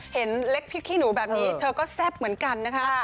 เห็นเล็กพริกขี้หนูแบบนี้เธอก็แซ่บเหมือนกันนะคะ